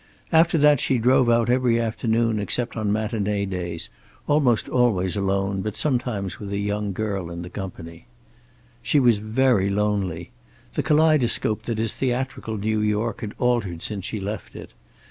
After that she drove out every afternoon except on matinee days, almost always alone, but sometimes with a young girl from the company. She was very lonely. The kaleidoscope that is theatrical New York had altered since she left it.